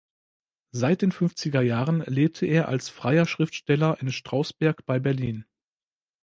Seit den Fünfzigerjahren lebte er als freier Schriftsteller in Strausberg bei Berlin.